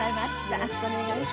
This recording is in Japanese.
よろしくお願いします。